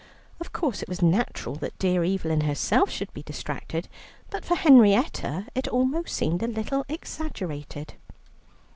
Of course, it was natural that dear Evelyn herself should be distracted, but for Henrietta it almost seemed a little exaggerated."